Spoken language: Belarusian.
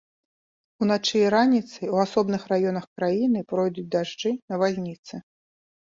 Уначы і раніцай у асобных раёнах краіны пройдуць дажджы, навальніцы.